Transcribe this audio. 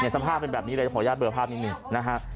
สภาพเป็นแบบนี้เลยขออนุญาตเบอร์ภาพนิดหนึ่งนะฮะ